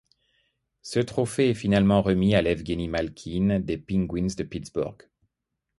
Ce trophée est finalement remis à Ievgueni Malkine des Penguins de Pittsburgh.